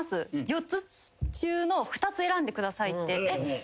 ４つ中の２つ選んでくださいって。